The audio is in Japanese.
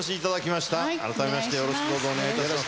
改めましてよろしくどうぞお願いいたします。